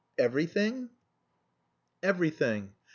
"Everything?" "Everything.